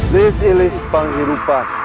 lest iles panghirupan